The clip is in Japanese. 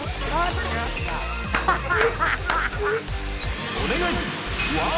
ハハハハ！